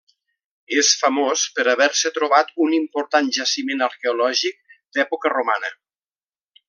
És famós per haver-se trobat un important jaciment arqueològic d'època romana.